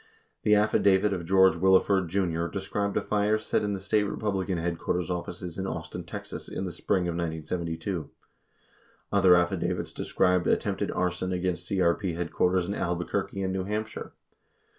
28 The affidavit of George Willeford, Jr., described a fire set in the State Republican headquarters offices in Austin, Tex. in the spring of 1972. 29 Other affidavits describe attempted arson against CRP headquarters in Albuquerque and New Hampshire.